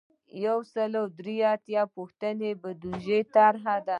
یو سل او درې اتیایمه پوښتنه د بودیجې طرحه ده.